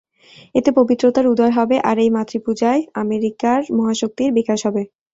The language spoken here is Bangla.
এতে পবিত্রতার উদয় হবে, আর এই মাতৃপূজায় আমেরিকার মহাশক্তির বিকাশ হবে।